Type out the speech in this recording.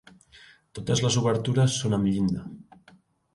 Totes les obertures són amb llinda.